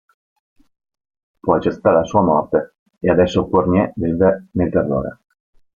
Poi c'è stata la sua morte e adesso Cuorgnè vive nel terrore".